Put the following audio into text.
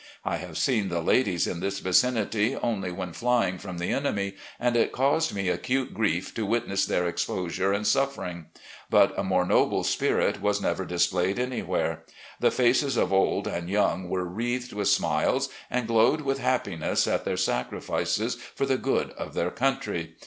... I have seen the ladies in this vicinity only when flying from the enemy, and it caused me acute grief to witness their exposure and suffering. But a more noble spirit was never displayed anywhere. The faces of old and young were wreathed with smiles, and glowed with happiness at their sacrifices for the good of their country.